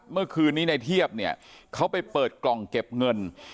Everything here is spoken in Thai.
เมื่อคืนนี้ในเทียบเนี่ยเขาไปเปิดกล่องเก็บเงิน